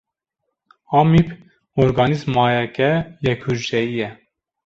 Amîb organîzmayeke yek hucreyî ye.